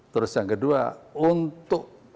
terus yang kedua untuk